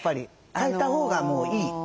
替えたほうがもういい？